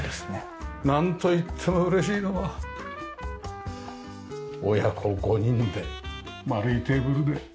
なんといっても嬉しいのは親子５人で丸いテーブルで。